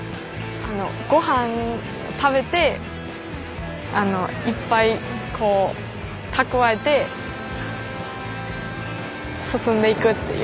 ごはん食べていっぱい蓄えて進んでいくっていう。